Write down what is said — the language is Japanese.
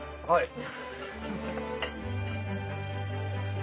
はい！